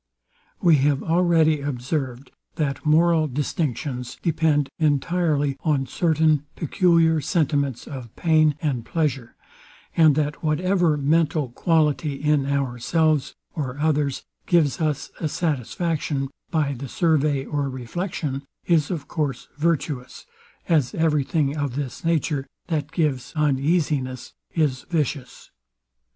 We have already observed, that moral distinctions depend entirely on certain peculiar sentiments of pain and pleasure, and that whatever mental quality in ourselves or others gives us a satisfaction, by the survey or reflection, is of course virtuous; as every thing of this nature, that gives uneasiness, is vicious.